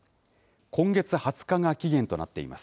今月２０日が期限となっています。